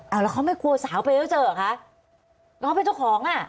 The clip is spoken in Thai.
อ่าาแล้วเขาไม่กลัวสาวไปเรื่องเจอกะแล้วเขาเป็นเจ้าของอ่ะ